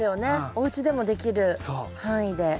おうちでもできる範囲で。